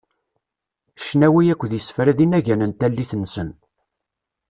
Cnawi akked isefra d inagan n tallit-nsen.